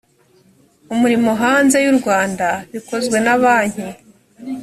umurimo hanze y u rwanda bikozwe na banki